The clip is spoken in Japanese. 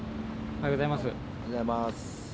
おはようございます。